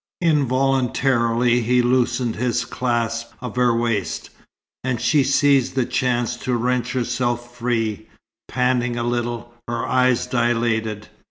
Involuntarily he loosened his clasp of her waist, and she seized the chance to wrench herself free, panting a little, her eyes dilated.